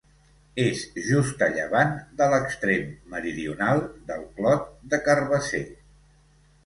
És just a llevant de l'extrem meridional del Clot de Carabasser.